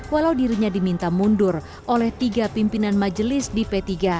walau dirinya diminta mundur oleh tiga pimpinan majelis di p tiga